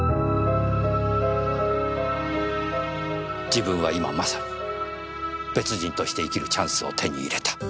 自分は今まさに別人として生きるチャンスを手に入れた。